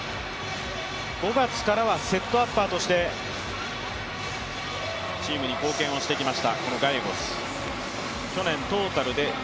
５月からはセットアッパーとしてチームに貢献をしてきました